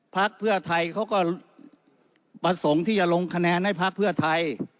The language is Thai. พักเพื่อไทยเขาก็ประสงค์ที่จะลงคะแนนให้พักเพื่อไทย